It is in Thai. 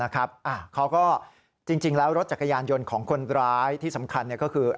เขาก็จริงแล้วรถจักรยานยนต์ของคนร้ายที่สำคัญก็คือ